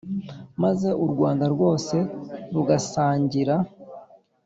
maze u Rwanda rwose rugasangira